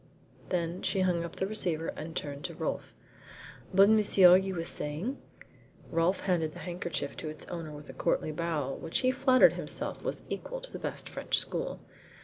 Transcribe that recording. Then she hung up the receiver and turned to Rolfe. "But, monsieur, you were saying " Rolfe handed the handkerchief to its owner with a courtly bow which he flattered himself was equal to the best French school.